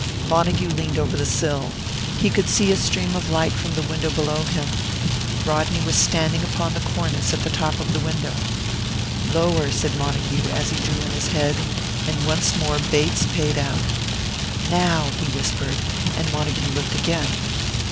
Montague leaned over the sill. He could see a stream of light from the window below him. Rodney was standing upon the cornice at the top of the window. "Lower," said Montague, as he drew in his head, and once more Bates paid out. "Now," he whispered, and Montague looked again.